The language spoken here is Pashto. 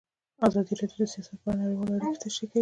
ازادي راډیو د سیاست په اړه نړیوالې اړیکې تشریح کړي.